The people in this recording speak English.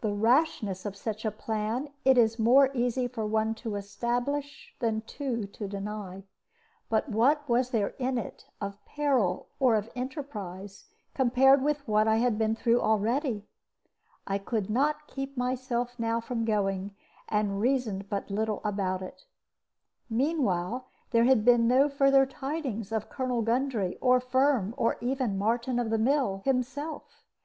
The rashness of such a plan it is more easy for one to establish than two to deny. But what was there in it of peril or of enterprise compared with what I had been through already? I could not keep myself now from going, and reasoned but little about it. Meanwhile there had been no further tidings of Colonel Gundry or Firm, or even Martin of the Mill himself.